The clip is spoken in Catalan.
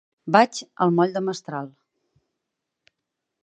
Vaig al moll de Mestral.